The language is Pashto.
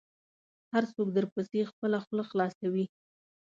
هر څوک درپسې خپله خوله خلاصوي .